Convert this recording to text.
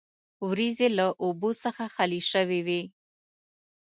وریځې له اوبو څخه خالي شوې وې.